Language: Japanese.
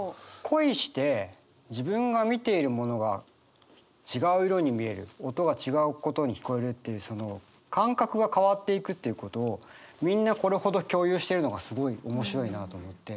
恋して自分が見ているものが違う色に見える音が違うことに聞こえるっていうその感覚が変わっていくっていうことをみんなこれほど共有してるのがすごい面白いなと思って。